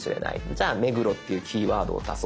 じゃあ「目黒」っていうキーワードを足そう。